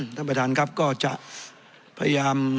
ท่านประธานครับก็จะพยายาม